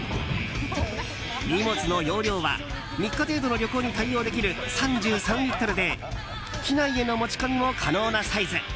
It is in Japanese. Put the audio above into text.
荷物の容量は３日程度の旅行に対応できる３３リットルで機内への持ち込みも可能なサイズ。